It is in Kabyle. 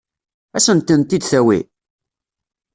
Ad sent-tent-id-tawi?